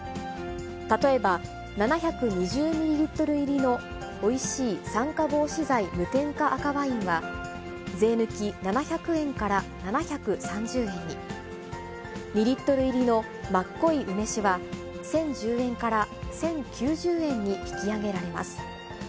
例えば、７２０ミリリットル入りのおいしい酸化防止剤無添加赤ワインは、税抜き７００円から７３０円に、２リットル入りのまっこい梅酒は、１０１０円から１０９０円に引き上げられます。